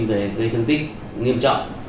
về gây thương tích nghiêm trọng